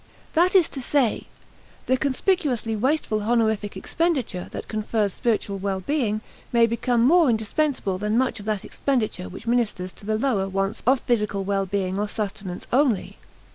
That is to say, the conspicuously wasteful honorific expenditure that confers spiritual well being may become more indispensable than much of that expenditure which ministers to the "lower" wants of physical well being or sustenance only.